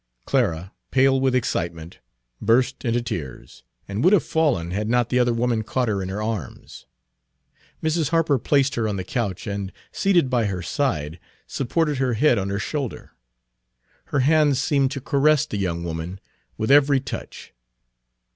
Clara, pale with excitement, burst into tears, Page 52 and would have fallen had not the other woman caught her in her arms. Mrs. Harper placed her on the couch, and, seated by her side, supported her head on her shoulder. Her hands seemed to caress the young woman with every touch.